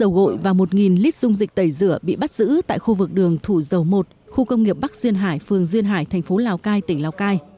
toàn bộ số hàng gồm hai lít dầu gội và một lít dung dịch tẩy rửa bị bắt giữ tại khu vực đường thủ dầu một khu công nghiệp bắc duyên hải phường duyên hải thành phố lào cai tỉnh lào cai